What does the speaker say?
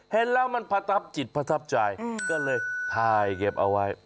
เห็นแล้วมันประทับจิตประทับใจก็เลยถ่ายเก็บเอาไว้